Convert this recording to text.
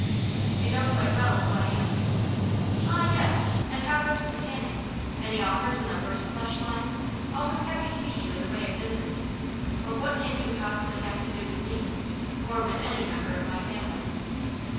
"You know quite well who I am." "Oh, yes! And how goes the tanning? Any offers in the horseflesh line? Always happy to meet you in the way of business. But what can you possibly have to do with me, or with any member of my family?"